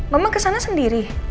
mama kesana sendiri